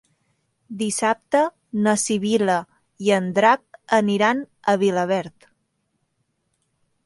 Dissabte na Sibil·la i en Drac aniran a Vilaverd.